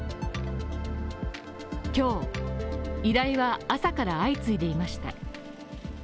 今日、依頼は朝から相次いでいました。